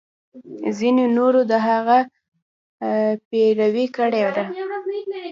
ځینو نورو د هغه پیروي کړې ده.